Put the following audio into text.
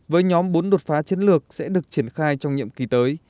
với nhóm bốn đột phá chiến lược sẽ được triển khai trong nhiệm kỳ tới